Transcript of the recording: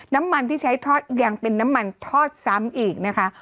น้ำมันที่ใช้ทอดยังเป็นน้ำมันทอดซ้ำอีกนะคะ